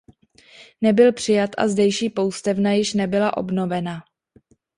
Nebyl přijat a zdejší poustevna již nebyla obnovena.